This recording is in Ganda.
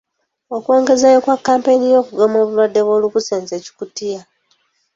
Okwongezaayo kwa kampeyini y'okugema obulwadde bw'olukusense-Kikutiya.